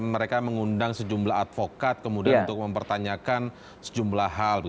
mereka mengundang sejumlah advokat kemudian untuk mempertanyakan sejumlah hal